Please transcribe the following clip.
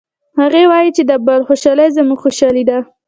هغه وایي چې د بل خوشحالي زموږ خوشحالي ده